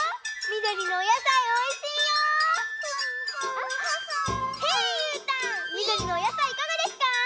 みどりのおやさいいかがですか？